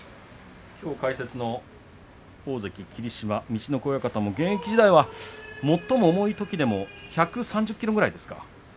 きょう解説の大関霧島陸奥親方も現役時代は最も重いときでも１３０ｋｇぐらいですか。